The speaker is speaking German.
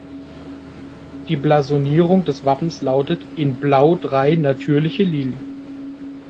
Die Blasonierung des Wappens lautet: "In Blau drei natürliche Lilien".